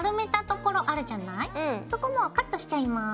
そこもうカットしちゃいます。